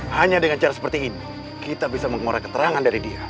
hanya dengan cara seperti ini kita bisa mengurai keterangan dari dia